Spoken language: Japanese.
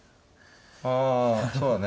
ああそうだね。